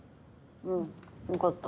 うん分かった。